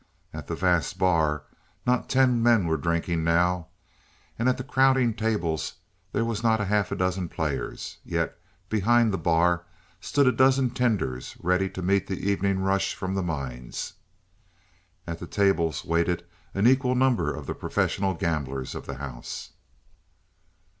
At that vast bar not ten men were drinking now; at the crowding tables there were not half a dozen players; yet behind the bar stood a dozen tenders ready to meet the evening rush from the mines. And at the tables waited an equal number of the professional gamblers of the house.